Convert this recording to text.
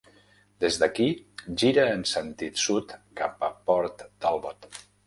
Des d"aquí, gira en sentit sud cap a Port Talbot.